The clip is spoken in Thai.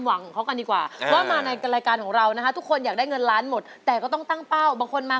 หนูขอสักครึ่งหนึ่งก็พอค่ะ